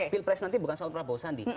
bill price nanti bukan soal prabowo sandi